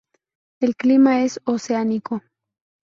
El clima es oceánico.